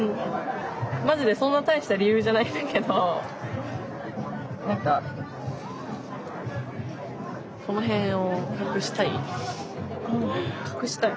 マジでそんな大した理由じゃないんだけど何か隠したい？